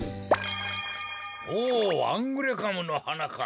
おおアングレカムのはなか。